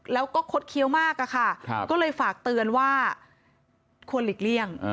แล้วก็คดเคี้ยวมากอะค่ะก็เลยฝากเตือนว่าควรหลีกเลี่ยง